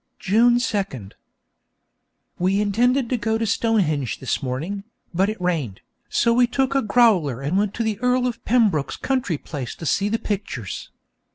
June 2. We intended to go to Stonehenge this morning, but it rained, so we took a 'growler' and went to the Earl of Pembroke's country place to see the pictures.